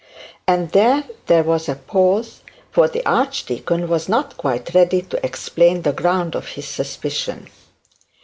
And then there was a pause, for the archdeacon was not quite ready to explain the ground of his suspicion.